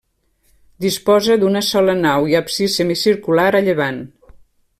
Disposa d'una sola nau i absis semicircular a llevant.